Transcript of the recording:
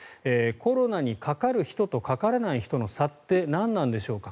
コロナにかかる人とかからない人の差って何なんでしょうか。